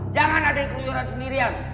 jangan ada yang keliuran sendirian